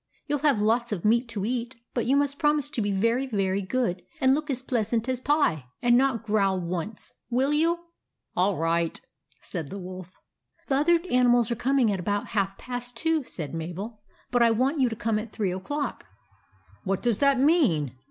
You '11 have lots of meat to eat ; but you must promise to be very, very good, and look as pleasant as pie, and not growl once. Will you ?"" All right," said the Wolf. " The other animals are coming at about half past two," said Mabel ;" but I want you to come at three o'clock." " What does that mean